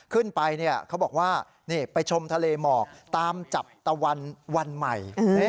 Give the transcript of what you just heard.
ขึ้นไปเนี่ยเขาบอกว่าไปชมทะเลหมอกตามจับตะวันวันใหม่